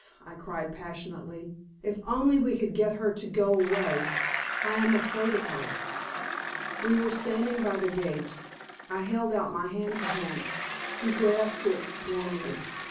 I cried, passionately. "If only we could get her to go away. I am afraid of her." We were standing by the gate, I held out my hand to him; he grasped it warmly.